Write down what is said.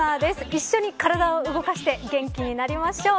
一緒に体を動かして元気になりましょう。